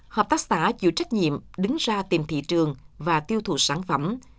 hợp tác xã chịu trách nhiệm đứng ra tìm thị trường và tiêu thụ sản phẩm